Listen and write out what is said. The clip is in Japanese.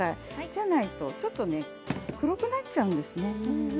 じゃないと、ちょっと黒くなっちゃうんですね。